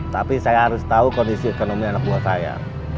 tapi saya harus tahu kondisi ekonomi anak buah saya